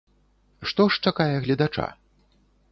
Што ж чакае гледача?